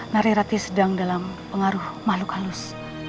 nari rati sedang dalam pengaruh makhluk halus